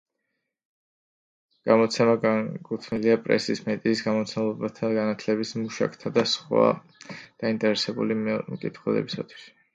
გამოცემა განკუთვნილია პრესის, მედიის, გამომცემლობათა, განათლების მუშაკთა და სხვა დაინტერესებული მკითხველისათვის.